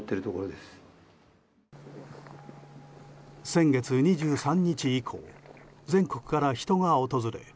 先月２３日以降全国から人が訪れ